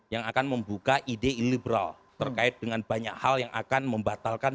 yang akan membuka ide iliberal terkait dengan banyak hal yang akan membatalkan